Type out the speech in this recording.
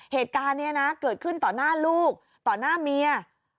เหตุการณ์นี้นะเกิดขึ้นต่อหน้าลูกต่อหน้าเมีย